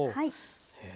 へえ。